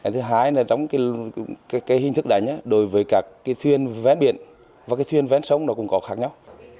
thứ hai là trong cái hình thức đánh đối với các thuyền vén biển và cái thuyền vén sông nó cũng có khác nhau